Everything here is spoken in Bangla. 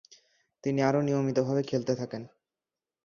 তিনি আরও নিয়মিতভাবে খেলতে থাকেন।